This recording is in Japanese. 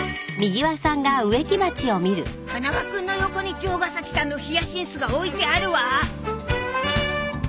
花輪君の横に城ヶ崎さんのヒヤシンスが置いてあるわ！